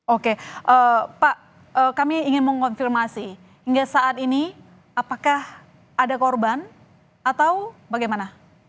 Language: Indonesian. oke pak kami ingin mengonfirmasi hingga saat ini apakah ada korban atau bagaimana